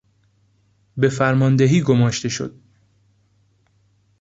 به فرماندهی گماشته شد.